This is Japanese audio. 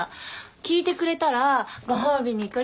聞いてくれたらご褒美にこれあげる。